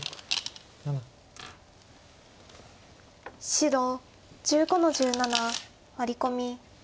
白１５の十七ワリ込み。